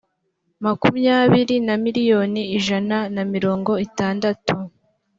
makumyabiri na miliyoni ijana na mirongo itandatu